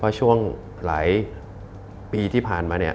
เพราะช่วงหลายปีที่ผ่านมา